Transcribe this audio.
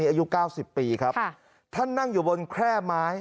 อายุ๙๐ปีครับท่านนั่งอยู่บนแคล่ไม้